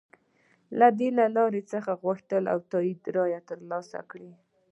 له دې لارې څخه یې غوښتل د تایید رایه تر لاسه کړي.